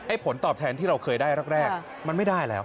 ผลตอบแทนที่เราเคยได้แรกมันไม่ได้แล้ว